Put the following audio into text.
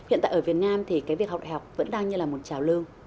hiện tại ở việt nam thì cái việc học đại học vẫn đang như là một trào lương